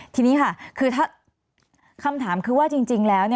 ทีนี้ค่ะคือถ้าคำถามคือว่าจริงแล้ว